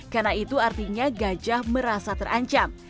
karena itu artinya gajah merasa terancam